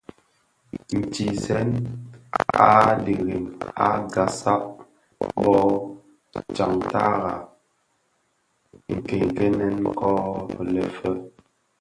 Ntizèn a dhirem a ghasag bō tsantaraň nkènkènèn ko le fe,